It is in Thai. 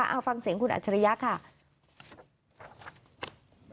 เอาฟังเสียงคุณอัจฉริยะค่ะ